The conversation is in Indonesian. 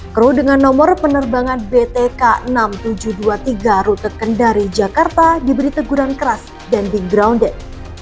kru dengan nomor penerbangan btk enam ribu tujuh ratus dua puluh tiga rute kendari jakarta diberi teguran keras dan di grounded